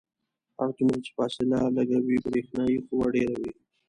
هر څومره چې فاصله لږه وي برېښنايي قوه ډیره وي.